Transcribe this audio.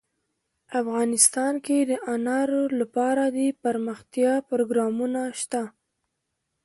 افغانستان کې د انار لپاره دپرمختیا پروګرامونه شته.